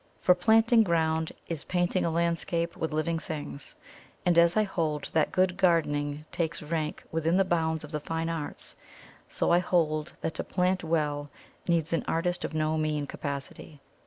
For planting ground is painting a landscape with living things; and as I hold that good gardening takes rank within the bounds of the fine arts, so I hold that to plant well needs an artist of no mean capacity.